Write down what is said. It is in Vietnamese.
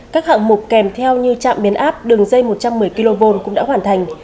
các hạng mục kèm theo như trạm biến áp đường dây một trăm một mươi kv cũng đã hoàn thành